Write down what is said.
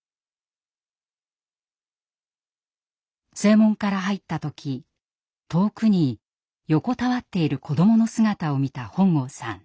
正門から入った時遠くに横たわっている子どもの姿を見た本郷さん。